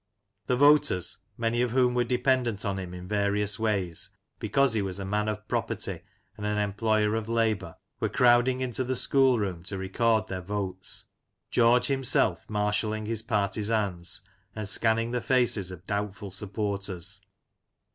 The voters, many of whom were dependent on him in various ways, because he was a man of property and an employer of labour, were crowding into the school room to record their votes, George himself marshalling his partizans, and scanning the faces of doubtful supporters.